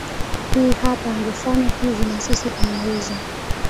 hii hapa angefanya hivi nasisi tunaweza